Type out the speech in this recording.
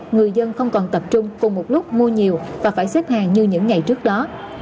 người dân không còn tập trung cùng một lúc mua nhiều và phải xếp hàng như những ngày trước đó